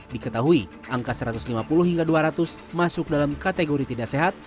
diketahui angka satu ratus lima puluh hingga dua ratus masuk dalam kategori tidak sehat